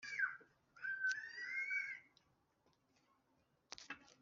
Yari abatezeho ubutungane, none baratemagurana!